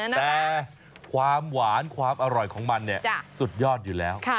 แต่ความหวานความอร่อยของมันเนี่ยสุดยอดอยู่แล้ว